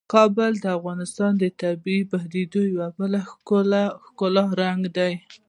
کابل د افغانستان د طبیعي پدیدو یو بل ښکلی رنګ دی.